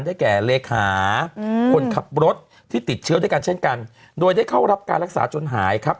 แก่เลขาอืมคนขับรถที่ติดเชื้อด้วยกันเช่นกันโดยได้เข้ารับการรักษาจนหายครับ